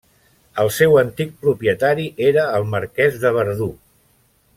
El seu antic propietari era el marquès de Verdú.